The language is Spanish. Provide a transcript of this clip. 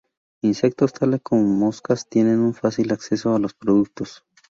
Insectos tales como moscas tienen un fácil acceso a los productos.